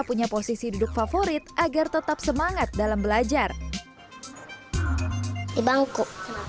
punya posisi duduk favorit agar tetap semangat dalam belajar ibalku